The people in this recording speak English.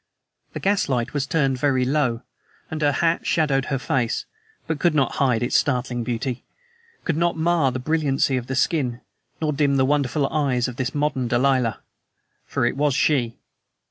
The gaslight was turned very low, and her hat shadowed her face, but could not hide its startling beauty, could not mar the brilliancy of the skin, nor dim the wonderful eyes of this modern Delilah. For it was she!